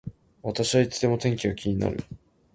私はいつでも天気が気になる